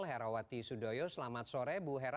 herawati sudoyo selamat sore bu hera